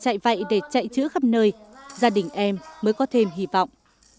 sau bảy năm chạy vậy để chạy chữa khắp nơi gia đình em mới có thêm hy vọng